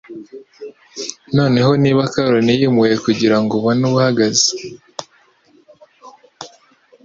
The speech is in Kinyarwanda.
Noneho niba Caron yimuwe kugirango ubone uhageze